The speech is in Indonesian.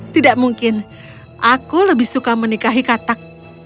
tidak mungkin aku lebih suka menikahi katak